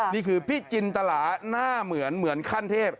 นี่คือพี่จินตลาหน้าเหมือนเหมือนขั้นเทพ